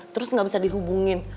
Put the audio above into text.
terus ga bisa dihubungin